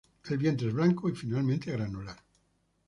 El vientre es blanco y finamente granular.